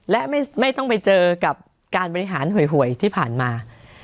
และไม่ต้องไปเจอกับการบริหารหวยที่ผ่านมา